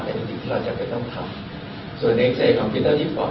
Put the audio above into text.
เป็นอย่างที่เราจะต้องทำส่วนในเอ็กซ์ไอคอมพิวเตอร์ที่ปอด